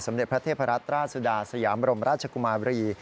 เด็จพระเทพรัตนราชสุดาสยามบรมราชกุมาบรี